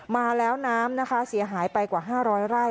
มาแล้วน้ำนะคะเสียหายไปกว่า๕๐๐ไร่